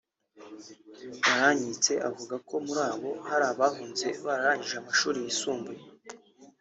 Barankitse avuga ko muri abo hari abahunze bararangije amashuri yisumbuye